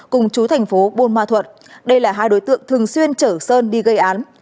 cùng trú thành phố bô ma thuật đây là hai đối tượng thường xuyên chở sơn đi gây án